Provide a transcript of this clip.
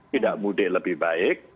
tidak mudik lebih baik